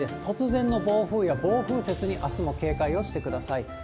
突然の暴風や暴風雪に、あすも警戒をしてください。